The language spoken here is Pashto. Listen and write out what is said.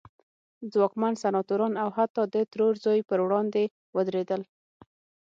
ځواکمن سناتوران او حتی د ترور زوی پر وړاندې ودرېدل.